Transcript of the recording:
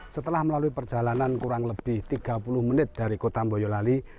setelah melalui perjalanan kurang lebih tiga puluh menit dari kota boyolali